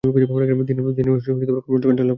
দিনের কর্মচাঞ্চল্য শুরু হয় নি।